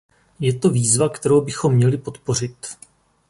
Je to výzva, kterou bychom měli podpořit.